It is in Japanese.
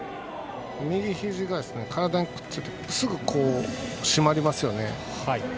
右ひじが体にくっついてすぐ締まりますよね。